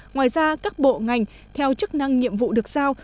ngoài ra các bộ ngành theo chức năng nhiệm vụ được giao